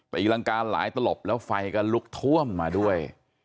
ตีรังกาหลายตลบแล้วไฟก็ลุกท่วมมาด้วย